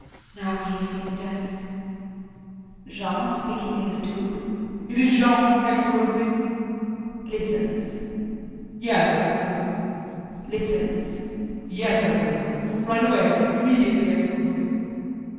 ] JULIE. Now he has seen the desk! JEAN [Speaking in the tube]. It is Jean, Excellency. [Listens]. Yes, Excellency. [Listens].Yes, Excellency, right away immediately, Excellency.